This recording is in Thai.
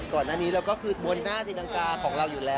ก่อนหน้านี้เราก็คือบนหน้าตีรังกาของเราอยู่แล้ว